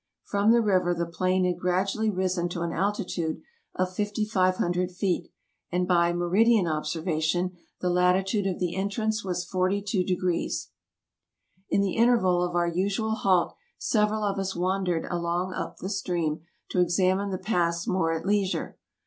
From the river the plain had gradually risen to an altitude of 5500 feet, and, by meridian observation, the latitude of the entrance was 420. In the interval of our usual halt several of us wandered along up the stream to examine the pass more at leisure.